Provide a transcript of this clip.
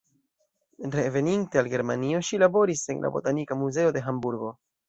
Reveninte al Germanio, ŝi laboris en la Botanika Muzeo de Hamburgo.